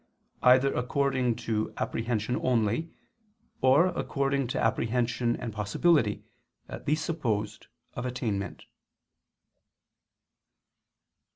either according to apprehension only; or according to apprehension and possibility, at least supposed, of attainment.